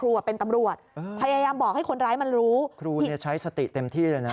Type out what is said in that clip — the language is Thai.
อืมอืมอืมอืมอืมอืม